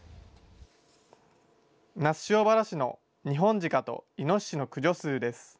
那須塩原市のニホンジカとイノシシの駆除数です。